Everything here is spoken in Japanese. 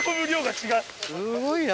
すごいな。